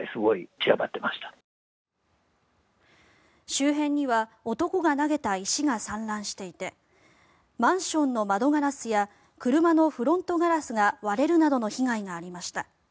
周辺には男が投げた石が散乱していてマンションの窓ガラスや車のフロントガラスが割れるなどの被害がありました。